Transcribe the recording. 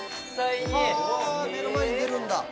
ああ目の前に出るんだ